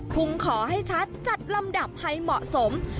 คงขอให้ชัดจัดลำดับให้เหมาะสม